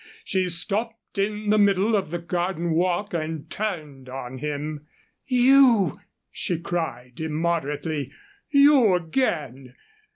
She stopped in the middle of the garden walk and turned on him: "You!" she cried, immoderately. "You again!